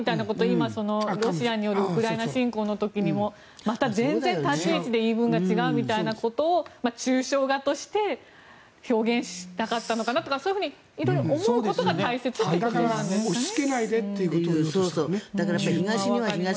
今、ロシアによるウクライナ侵攻の時にもまた全然、立ち位置で言い分が違うみたいなことを抽象画として表現したかったのかなとかそういうふうに色々思うことが大切ということなんですかね。